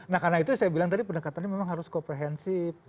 nah karena itu saya bilang tadi pendekatannya memang harus komprehensif